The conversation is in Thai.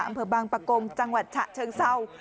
อำเภอบางปะกงจังหวัดฉะเชิงเศร้า